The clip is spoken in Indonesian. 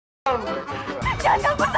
jangan kaget saya